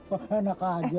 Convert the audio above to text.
oh enak aja